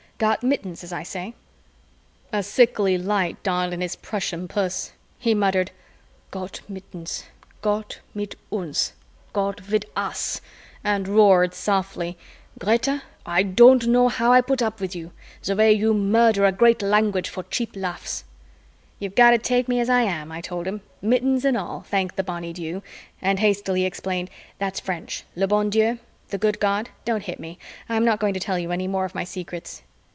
Got Mittens, as I say." A sickly light dawned in his Prussian puss. He muttered, "Got mittens ... Gott mit uns ... God with us," and roared softly, "Greta, I don't know how I put up with you, the way you murder a great language for cheap laughs." "You've got to take me as I am," I told him, "mittens and all, thank the Bonny Dew " and hastily explained, "That's French le bon Dieu the good God don't hit me. I'm not going to tell you any more of my secrets."